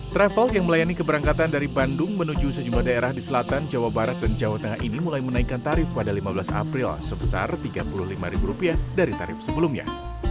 travel yang melayani keberangkatan dari bandung menuju sejumlah daerah di selatan jawa barat dan jawa tengah ini mulai menaikkan tarif pada lima belas april sebesar rp tiga puluh lima dari tarif sebelumnya